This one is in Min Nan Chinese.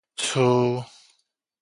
跙